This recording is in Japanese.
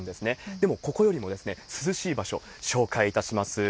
でも、ここよりも涼しい場所紹介いたします。